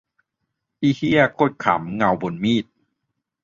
อีเหี้ย โคตรขรรม เงาบนมีด